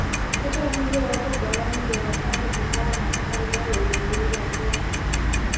Hata hivyo wapo baadhi ya wapare ambao mpaka leo wanaiweza mvua